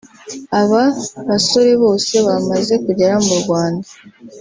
Aba basore bose bamaze kugera mu Rwanda